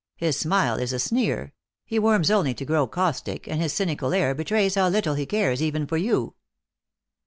His smile is a sneer ; he warms only to grow caustic, and his cynical air betrays how little he cares even for you."